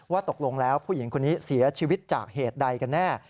ตกลงแล้วผู้หญิงคนนี้เสียชีวิตจากเหตุใดกันแน่